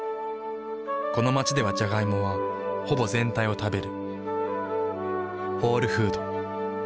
この街ではジャガイモはほぼ全体を食べる。